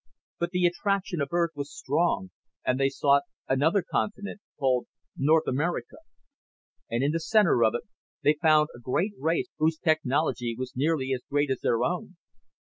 But the attraction of Earth was strong and they sought another continent, called North America. And in the center of it they found a great race whose technology was nearly as great as their own.